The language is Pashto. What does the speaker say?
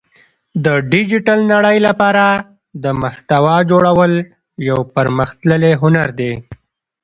د ډیجیټل نړۍ لپاره د محتوا جوړول یو پرمختللی هنر دی